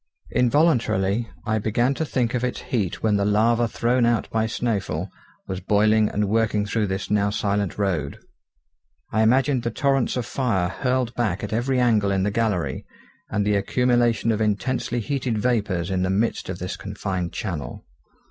Involuntarily I began to think of its heat when the lava thrown out by Snæfell was boiling and working through this now silent road. I imagined the torrents of fire hurled back at every angle in the gallery, and the accumulation of intensely heated vapours in the midst of this confined channel.